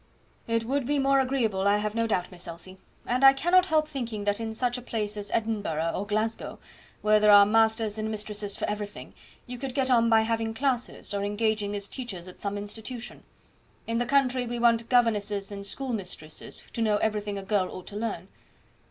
"It would be more agreeable, I have no doubt, Miss Elsie; and I cannot help thinking that in such a place as Edinburgh or Glasgow, where there are masters and mistresses for everything, you could get on by having classes, or engaging as teachers at some institution. In the country we want governesses and schoolmistresses to know everything a girl ought to learn."